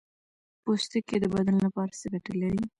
پوستکی د بدن لپاره څه ګټه لري